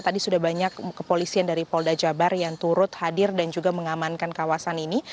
tadi sudah banyak kepolisian dari polda jabar yang turut hadir dan juga mengamankan kawasan ini